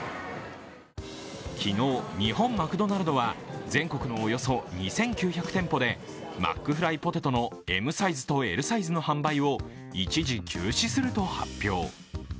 昨日、日本マクドナルドは全国のおよそ２９００店舗でマックフライポテトのＭサイズとＬサイズの販売を一時休止すると発表。